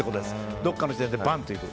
どこかの時点でバン！といく。